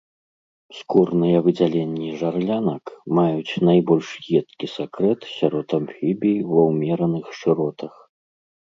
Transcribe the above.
Скурныя выдзяленні жарлянак маюць найбольш едкі сакрэт сярод амфібій ва ўмераных шыротах.